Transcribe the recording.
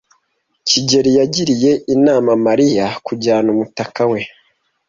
kigeli yagiriye inama Mariya kujyana umutaka we.